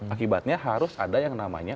akibatnya harus ada yang namanya